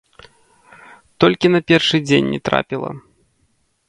Толькі на першы дзень не трапіла.